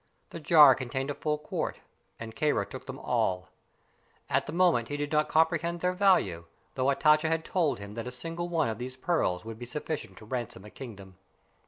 The jar contained a full quart, and Kāra took them all. At the moment he did not comprehend their value, although Hatatcha had told him that a single one of these pearls would be sufficient to ransom a kingdom.